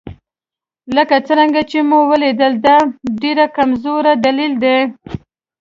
لکه څرنګه چې ومو لیدل دا ډېر کمزوری دلیل دی.